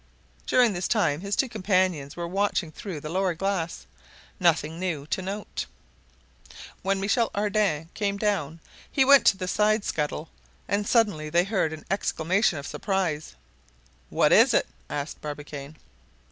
During this time his companions were watching through the lower glass. Nothing new to note! When Michel Ardan came down, he went to the side scuttle; and suddenly they heard an exclamation of surprise! "What is it?" asked Barbicane.